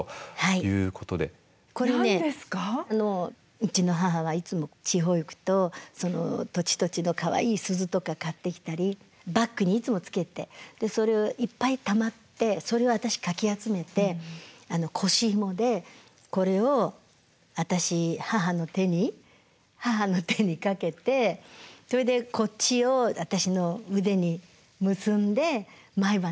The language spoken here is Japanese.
うちの母はいつも地方へ行くとその土地土地のかわいい鈴とか買ってきたりバッグにいつもつけてそれいっぱいたまってそれを私かき集めて腰ひもでこれを私母の手に母の手にかけてそれでこっちを私の腕に結んで毎晩寝るんですよ。